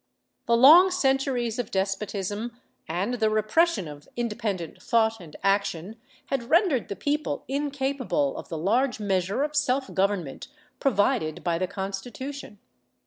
The long centuries of despotism and the repression of independent thought and action had rendered the people incapable of the large measure of self government provided by the Consti tution.